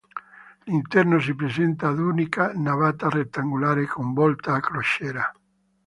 L'interno si presenta ad unica navata rettangolare, con volta a crociera.